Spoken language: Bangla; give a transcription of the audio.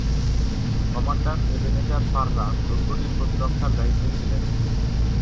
কমান্ডার এবেনেজার ফাররান্দ দুর্গটির প্রতিরক্ষার দায়িত্বে ছিলেন।